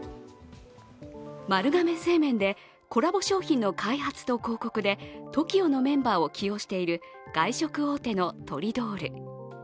丸亀製麺でコラボ商品の開発と広告でＴＯＫＩＯのメンバーを起用している外食大手のトリドール。